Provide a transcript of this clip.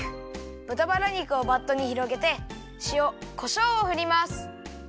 ぶたバラ肉をバットにひろげてしおこしょうをふります。